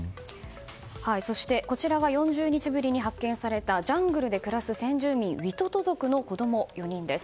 そしてこちらが４０日ぶりに発見されたジャングルで暮らす先住民ウィトト族の子供４人です。